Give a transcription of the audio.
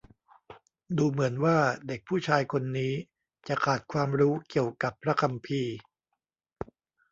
ดูเหมือนว่าเด็กผู้ชายคนนี้จะขาดความรู้เกี่ยวกับพระคัมภีร์